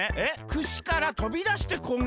「くしからとびだしてこうげき。